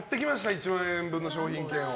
１万円分の商品券を。